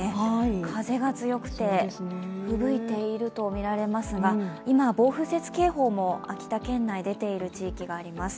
風が強くて、吹雪いているとみられますが今、暴風雪警報も秋田県内出ている地域があります。